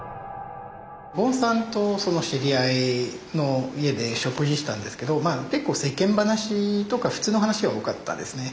ゴーンさんとその知り合いの家で食事したんですけどまあ結構世間話とか普通の話が多かったですね。